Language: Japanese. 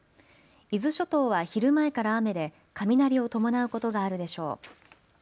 伊豆諸島は昼前から雨で雷を伴うことがあるでしょう。